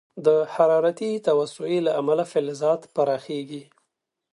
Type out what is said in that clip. د حرارتي توسعې له امله فلزات پراخېږي.